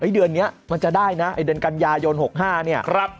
เดือนนี้มันจะได้นะไอ้เดือนกันยายน๖๕เนี่ย